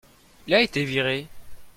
il a été viré.